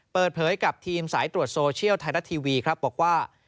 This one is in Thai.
เปิดเผยกับทีมสายตรวจโซเชียลไทยรัฐทีวีครับบอกว่า